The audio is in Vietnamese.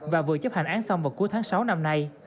và vừa chấp hành án xong vào cuối tháng sáu năm nay